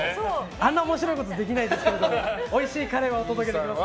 あんな面白いことはできないですけどおいしいカレーはお届けできます。